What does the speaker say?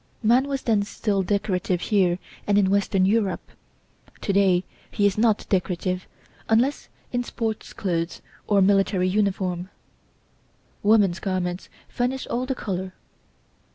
Man was then still decorative here and in western Europe. To day he is not decorative, unless in sports clothes or military uniform; woman's garments furnish all the colour.